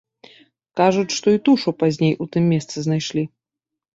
Кажуць, што і тушу пазней у тым месцы знайшлі.